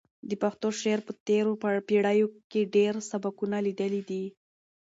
د پښتو شعر په تېرو پېړیو کې ډېر سبکونه لیدلي دي.